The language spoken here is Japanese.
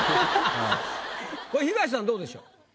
これ東さんどうでしょう？